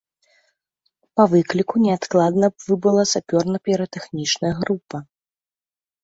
Па выкліку неадкладна выбыла сапёрна-піратэхнічная група.